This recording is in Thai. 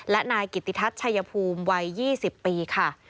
และนายกิติทัศน์ชายภูมิวัย๒๐ปีค่ะ